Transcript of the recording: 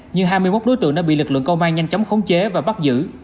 nhưng hai mươi một đối tượng đã bị lực lượng công an nhanh chóng khống chế và bắt giữ